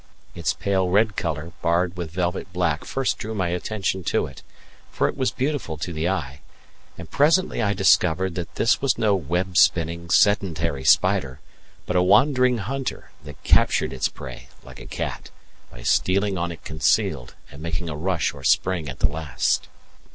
Its pale red colour barred with velvet black first drew my attention to it, for it was beautiful to the eye; and presently I discovered that this was no web spinning, sedentary spider, but a wandering hunter, that captured its prey, like a cat, by stealing on it concealed and making a rush or spring at the last.